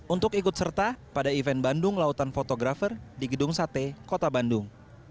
untuk ikut serta pada event bandung lautan fotografer di gedung sate kota bandung